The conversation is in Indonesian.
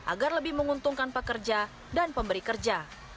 agar lebih menguntungkan pekerja dan pemberi kerja